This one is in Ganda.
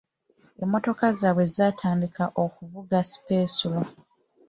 Emmotoka zaabwe zatandika okuvuga sipesulo.